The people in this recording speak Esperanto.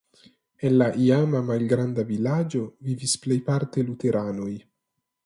En la iama malgranda vilaĝo vivis plejparte luteranoj.